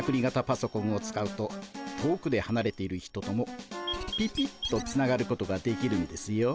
パソコンを使うと遠くではなれている人ともピピッとつながることができるんですよ。